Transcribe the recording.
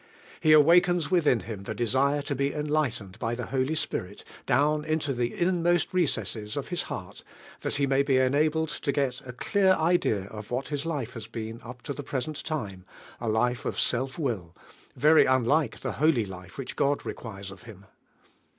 He awakens within' him the desire to be enlightened by the Holy Spirit down into the inmost recesses of his heart, I hat he may be enabled to got a clear idea of what his life has been, up to the present lime, a life of self will, very unlike (he holy life which God requires of him.